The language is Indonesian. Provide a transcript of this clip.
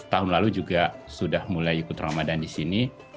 tahun lalu juga sudah mulai ikut ramadan di sini